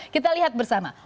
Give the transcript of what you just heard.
kita lihat bersama